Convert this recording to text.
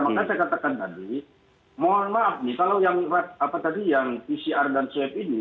makanya saya katakan tadi mohon maaf nih kalau yang pcr dan swab ini